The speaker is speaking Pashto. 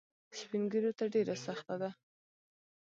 سپین ږیرو ته ډېره سخته ده.